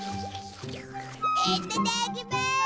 いっただっきまーす！